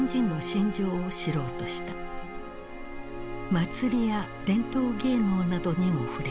祭りや伝統芸能などにも触れた。